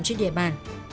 trên địa bàn